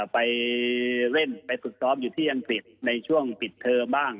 ไปเล่นไปฝึกซ้อมอยู่ที่อังกฤษในช่วงปิดเทอมบ้าง